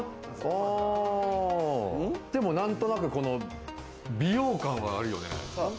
何となくこの美容感はあるよね。